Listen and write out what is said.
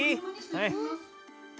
はい。